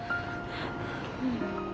うん。